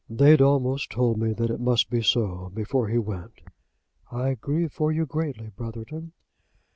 They'd almost told me that it must be so, before he went." "I grieve for you greatly, Brotherton."